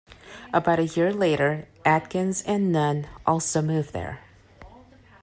About a year later Adkins and Nunn also moved there.